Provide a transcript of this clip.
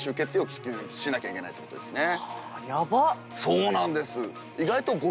そうなんです。